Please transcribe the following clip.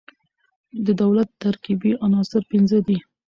د دولت ترکيبي عناصر پنځه دي.